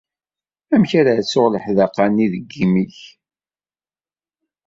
Amek ara ttuɣ leḥdaqa-nni deg yimi-k?